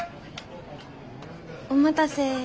お待たせ。